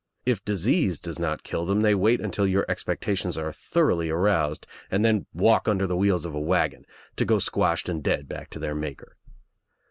If disease does not kill them they wait until your expectations are thoroughly aroused and then walk under the wheels of a wagon — to go squashed and dead back to their maker.